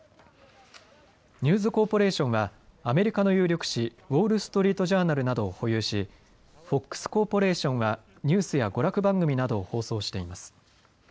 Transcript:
ニューズ・コーポレーションはアメリカの有力紙、ウォール・ストリート・ジャーナルなどを保有しフォックス・コーポレーションはニュースや娯楽番組などを放送しています。